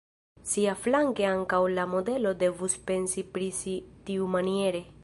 Siaflanke ankaŭ la modelo devus pensi pri si tiumaniere.